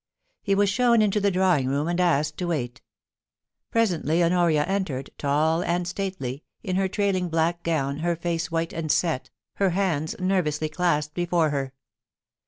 He was shown into the drawing room, and asked to wait Presently Honoria entered, tall and stately, in her trailing black gown, her face white and set, her hands nervously clasped before her.